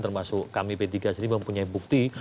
termasuk kami p tiga sendiri mempunyai bukti